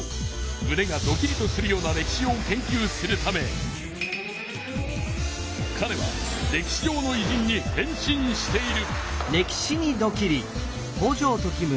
むねがドキリとするような歴史を研究するためかれは歴史上のいじんに変身している。